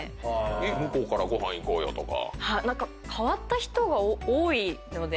向こうから「ご飯行こうよ」とか。